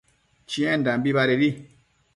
Chiendambi badedi